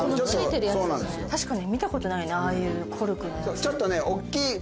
確かに見たことないねああいうコルクのやつ。